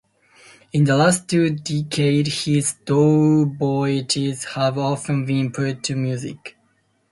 In the last two decades his do-baytis have often been put to music.